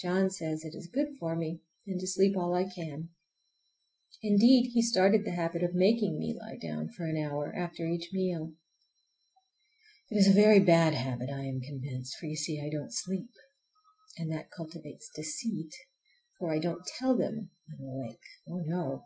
John says it is good for me, and to sleep all I can. Indeed, he started the habit by making me lie down for an hour after each meal. It is a very bad habit, I am convinced, for, you see, I don't sleep. And that cultivates deceit, for I don't tell them I'm awake,—oh, no!